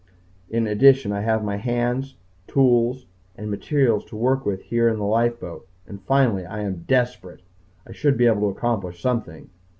In addition, I have my hands, tools, and materials to work with here in the lifeboat. And finally I am desperate! I should be able to accomplish something.